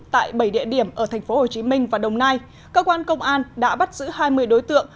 tại bảy địa điểm ở tp hcm và đồng nai cơ quan công an đã bắt giữ hai mươi đối tượng